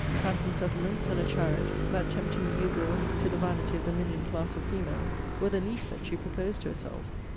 Handsome settlements, and a chariot, that tempting gewgaw to the vanity of the middling class of females, were the least that she proposed to herself.